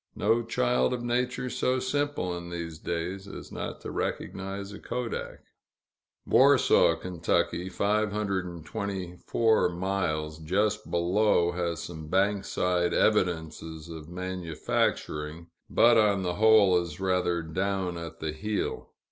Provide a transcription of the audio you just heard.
No child of nature so simple, in these days, as not to recognize a kodak. Warsaw, Ky. (524 miles), just below, has some bankside evidences of manufacturing, but on the whole is rather down at the heel.